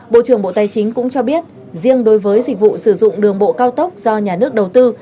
bộ trưởng bộ tài chính cũng cho biết riêng đối với dịch vụ sử dụng đường bộ cao tốc do nhà nước đầu tư